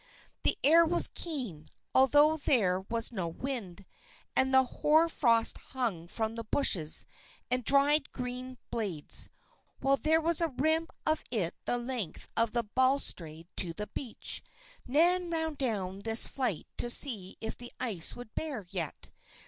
The air was keen, although there was no wind; and the hoarfrost hung from the bushes and dried grass blades, while there was a rime of it the length of the balustrade to the beach. Nan ran down this flight to see if the ice would bear yet.